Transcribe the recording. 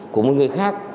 của một người khác